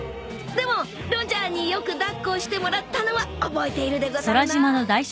［でもロジャーによく抱っこをしてもらったのは覚えているでござるな］